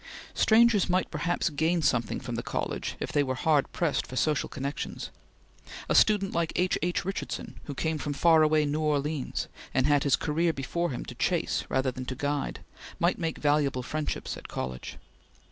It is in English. Strangers might perhaps gain something from the college if they were hard pressed for social connections. A student like H. H. Richardson, who came from far away New Orleans, and had his career before him to chase rather than to guide, might make valuable friendships at college.